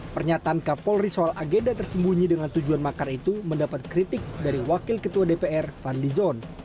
pernyataan kapolri soal agenda tersembunyi dengan tujuan makar itu mendapat kritik dari wakil ketua dpr fadli zon